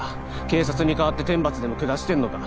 警察に代わって天罰でも下してんのか？